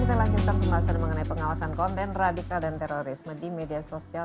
kita lanjutkan pembahasan mengenai pengawasan konten radikal dan terorisme di media sosial